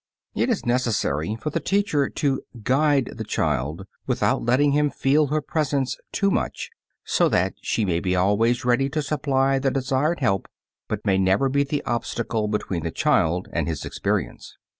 It is necessary for the teacher to guide the child without letting him feel her presence too much, so that she may be always ready to supply the desired help, but may never be the obstacle between the child and his experience.